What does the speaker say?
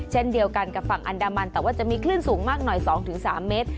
เช่นเดียวกันกับฝั่งอันดามันแต่ว่าจะมีคลื่นสูงมากหน่อย๒๓เมตร